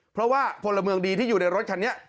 เพราะว่าพลเมืองดีที่อยู่ในรถคันนี้